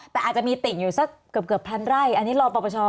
แต่อาจจะมีติอยู่สักเกือบพันไร่อันนี้รอปช